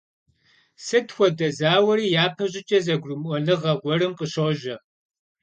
Сыт хуэдэ зауэри япэ щӀыкӀэ зэгурымыӀуэныгъэ гуэрым къыщожьэ.